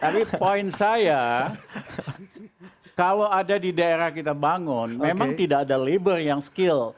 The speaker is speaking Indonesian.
tapi poin saya kalau ada di daerah kita bangun memang tidak ada labor yang skill